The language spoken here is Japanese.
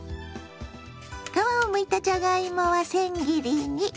皮をむいたじゃがいもは千切りに。